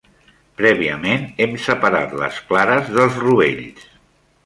Prèviament, hem separat les clares dels rovells.